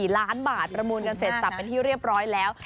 ๔ล้านบาทประมูลกันเสร็จสับเป็นที่เรียบร้อยแล้ว